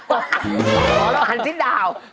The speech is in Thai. ขอล่ะขัน๑๐ดาว